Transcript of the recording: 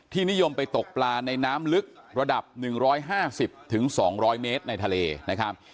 ที่นิยมไปตกปลาในน้ำลึกระดับหนึ่งร้อยห้าสิบถึงสองร้อยเมตรในทะเลนะครับ